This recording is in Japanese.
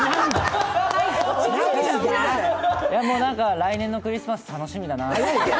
来年のクリスマス楽しみだなあって。